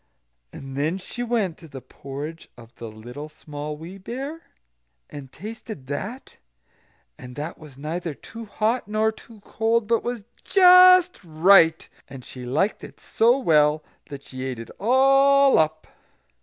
And then she went to the porridge of the Little Small Wee Bear, and tasted that: and that was neither too hot nor too cold, but just right; and she liked it so well, that she ate it all up.